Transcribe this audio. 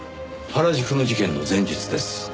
原宿の事件の前日です。